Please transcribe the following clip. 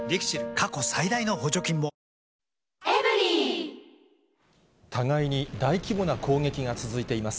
過去最大の補助金も互いに大規模な攻撃が続いています。